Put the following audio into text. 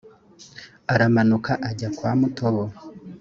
aramanuka ajya kwa mutobo